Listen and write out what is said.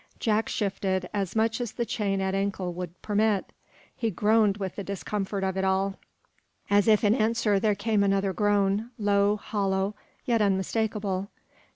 Jack shifted, as much as the chain at ankle would permit. He groaned with the discomfort of it all. As if in answer there came another groan, low, hollow, yet unmistakable.